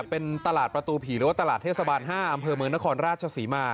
เป็นตลาดประตูผีหรือว่าตลาดเทศบาล๕อำเภอเมืองนครราชศรีมา